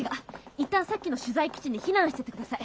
一旦さっきの取材基地に避難しててください。